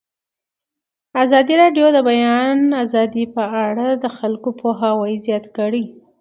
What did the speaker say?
ازادي راډیو د د بیان آزادي په اړه د خلکو پوهاوی زیات کړی.